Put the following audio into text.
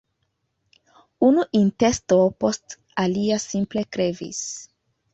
Unu intesto post alia simple krevis.